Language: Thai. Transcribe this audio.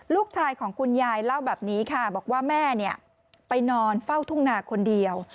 ลูกชายของคุณยายเล่าแบบนี้ค่ะบอกว่าแม่ไปนอนเฝ้าทุ่งนาคนเดียว